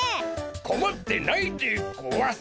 こまってないでゴワス。